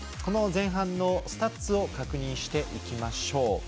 前半のスタッツを確認しましょう。